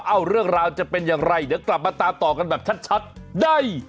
เรื่องราวจะเป็นอย่างไรเดี๋ยวกลับมาตามต่อกันแบบชัดได้